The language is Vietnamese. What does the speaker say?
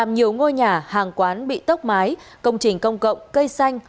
nhiều ngôi nhà hàng quán bị tốc mái công trình công cộng cây xanh